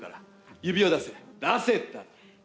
指を出せ、出せって。